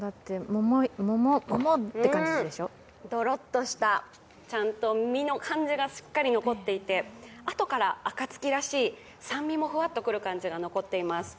ドロッとした、ちゃんと実の感じが残っていて、あとから、あかつきらしい酸味もふわっとくる感じが残っています。